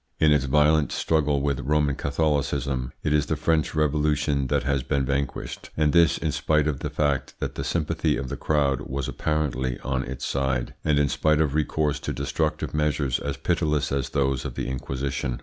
In its violent struggle with Roman Catholicism it is the French Revolution that has been vanquished, and this in spite of the fact that the sympathy of the crowd was apparently on its side, and in spite of recourse to destructive measures as pitiless as those of the Inquisition.